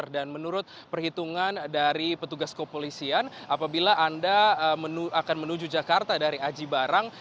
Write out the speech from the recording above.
dan menurut perhitungan dari petugas kopolisian apabila anda akan menuju jakarta dari aji barang